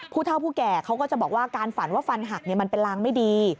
ผู้เท่าผู้แก่เขาก็จะบอกว่าการฝันว่าฟันหักมันเป็นรางไม่ดี